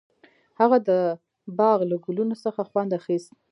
هغه د باغ له ګلونو څخه خوند اخیست.